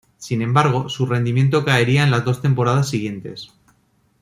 Sin embargo su rendimiento caería en las dos temporadas siguientes.